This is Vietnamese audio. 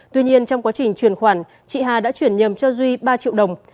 tuy nhiên trong quá trình chuyển khoản chị hà đã chuyển nhầm cho duy ba triệu đồng